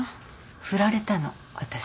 振られたの私。